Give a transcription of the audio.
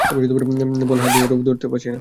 বাল, হাত দিয়ে ওটা ধরতেও পারছি না।